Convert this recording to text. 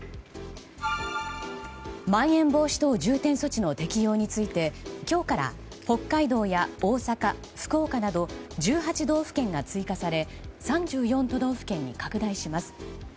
まん延防止等重点措置の適用について今日から北海道や大阪、福岡など１８道府県が追加され３４都道府県に拡大します。